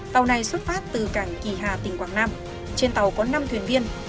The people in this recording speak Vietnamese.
phát từ cảng kỳ hà tỉnh quảng nam trên tàu có năm thuyền viên